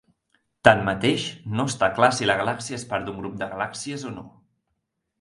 Tanmateix, no està clar si la galàxia és part d'un grup de galàxies o no.